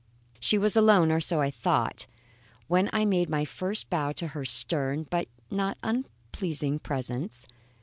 She was alone, or so I thought, when I made my first bow to her stern but not unpleasing presence.